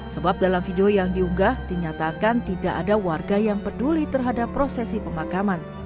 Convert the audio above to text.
sebab dalam video yang diunggah dinyatakan tidak ada warga yang peduli terhadap prosesi pemakaman